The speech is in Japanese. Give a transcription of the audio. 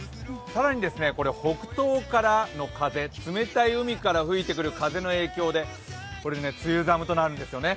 更に北東からの風、冷たい海から吹いてくる風の影響で梅雨寒となるんですよね。